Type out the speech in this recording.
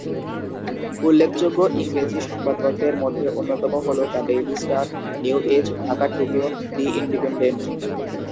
উল্লেখযোগ্য ইংরেজি সংবাদপত্রের মধ্যে অন্যতম হলো "the Daily Star", "New Age", "Dhaka Tribune", "the independent".